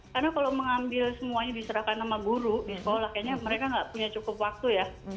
karena kalau mengambil semuanya diserahkan sama guru di sekolah kayaknya mereka nggak punya cukup waktu ya